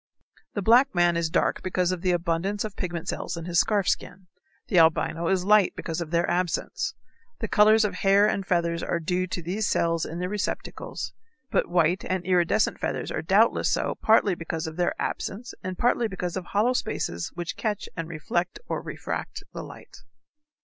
The black man is dark because of the abundance of pigment cells in his scarf skin. The albino is light because of their absence. The colors of hair and feathers are due to these cells in their receptacles, but white and iridescent feathers are doubtless so partly because of their absence and partly because of hollow spaces which catch and reflect or refract the light.